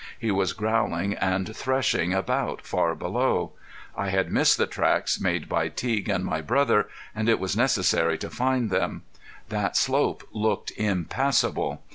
He was growling and threshing about far below. I had missed the tracks made by Teague and my brother, and it was necessary to find them. That slope looked impassable.